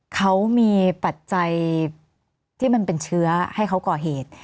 เขามีปัจจัยที่มันเป็นเชื้อให้เขาก่อเหตุ